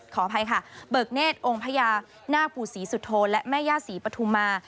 ขออภัยค่ะเบิกเนธองค์พญานาคปู่ศรีสุโธและแม่ย่าศรีปฐุมา